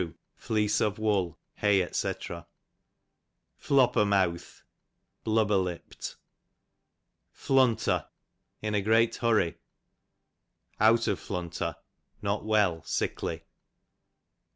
fleeze of wool, hay, £c. Flopper meawth, blubber lipp'd. Flunter, in a great hurry ; out of flunter, not well, sickly.